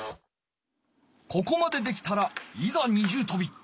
ここまでできたらいざ二重とび！